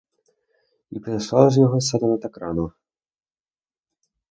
І принесла ж його сатана так рано!